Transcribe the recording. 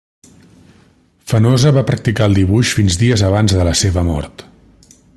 Fenosa va practicar el dibuix fins dies abans de la seva mort.